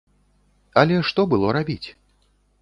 Але што было рабіць?